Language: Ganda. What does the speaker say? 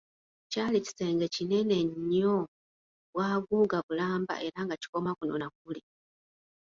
Kyali kisenge kinene nnyo, bwaguuga bulamba era nga kikoma kuno na kuli.